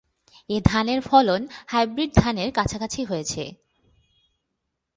এ ধানের ফলন হাইব্রিড ধানের কাছাকাছি হয়েছে।